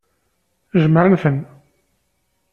Jemɛen-ten.